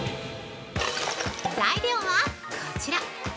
材料はこちら！